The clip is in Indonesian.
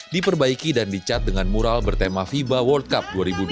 diperbaiki dan dicat dengan mural bertema fiba world cup dua ribu dua puluh